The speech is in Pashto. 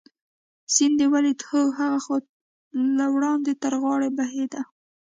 سیند دې ولید؟ هو، هغه خو له وړاندې لا تر غاړې بهېده.